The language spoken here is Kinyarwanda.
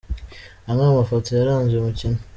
Amwe mu mafoto yaranze uyu mukino .